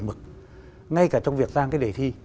mực ngay cả trong việc đang cái đề thi